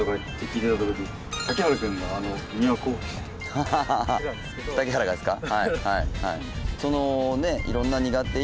ハハハ竹原がですか？